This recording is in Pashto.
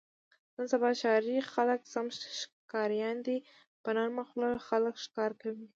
نن سبا ښاري خلک سم ښکاریان دي. په نرمه خوله خلک ښکار کوي.